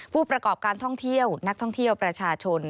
ผู้ประกอบการท่องเที่ยวนักท่องเที่ยวประชาชน